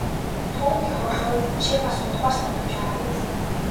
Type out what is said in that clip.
Түүхий хулуу чи бас унтмаар санагдаж байгаа биз!